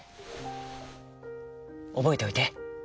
「おぼえておいて。